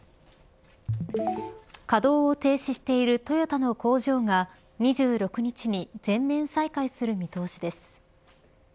稼働を停止しているトヨタの工場が２６日に全面再開する見通しです。